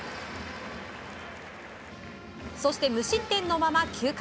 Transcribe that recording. そして、無失点のまま９回。